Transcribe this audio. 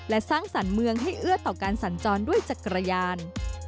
และสร้างสรรค์เมืองให้เอื้อต่อการสัญจรด้วยจักรยาน